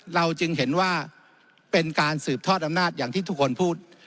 เราจึงเห็นว่าเป็นการสืบทอดอำนาจอย่างที่ทุกคนพูด